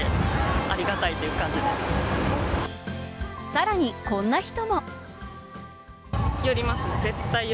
さらに、こんな人。